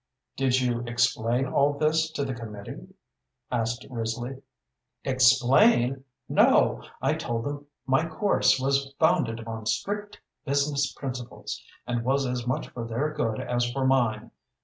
"Did you explain all this to the committee?" asked Risley. "Explain? No! I told them my course was founded upon strict business principles, and was as much for their good as for mine.